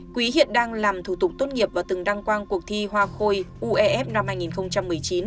quý hiện đang làm thủ tục tốt nghiệp và từng đăng quang cuộc thi hoa khôi uef năm hai nghìn một mươi chín